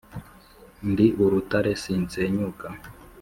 ndi urutare si nsenyuka.